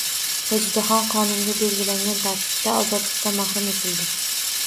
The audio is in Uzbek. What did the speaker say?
Sojidaxon qonunda belgilangan tartibda ozodlikdan mahrum etildi